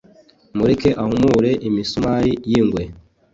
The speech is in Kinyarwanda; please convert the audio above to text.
Mureke ahumure imisumari y'ingwe